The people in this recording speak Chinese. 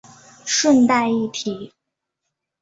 顺带一提